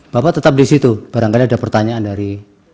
bapak tetap di situ barangkali ada pertanyaan dari